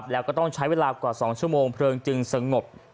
แล้วก็ต้องใช้เวลากว่า๒ชั่วโมงเพลิงจึงสงบ